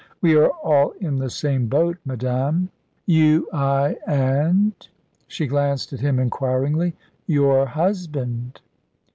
"We are all in the same boat, madame." "You, I, and ?" she glanced at him inquiringly. "Your husband."